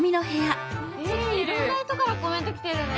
いろんな人からコメント来てるね！